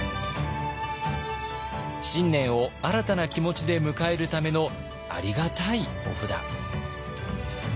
新年を新たな気持ちで迎えるためのありがたいお札。